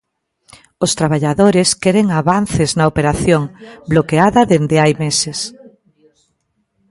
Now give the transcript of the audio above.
Os traballadores queren avances na operación, bloqueada dende hai meses.